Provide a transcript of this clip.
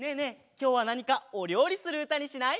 きょうはなにかおりょうりするうたにしない？